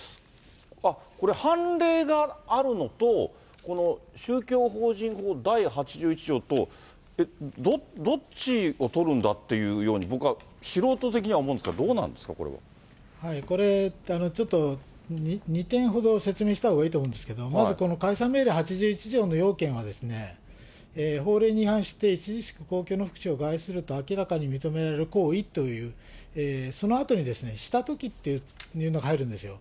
あっ、これ、判例があるのと、この宗教法人法第８１条と、どっちを取るんだっていうように、僕は素人的には思うんですが、どうなんですか、これ、ちょっと２点ほど説明したほうがいいと思うんですけれども、まずこの解散命令８１条の要件は、法令に違反して著しく公共の福祉を害すると明らかに認められる行為という、そのあとに、したときっていうのが入るんですよ。